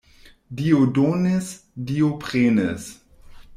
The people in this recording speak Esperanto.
Dio donis, Dio prenis.